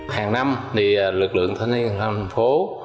hàng năm thì lực lượng thanh niên xung phố